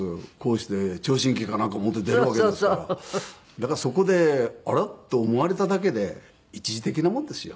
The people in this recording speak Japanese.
だからそこで「あら？」っと思われただけで一時的なもんですよ。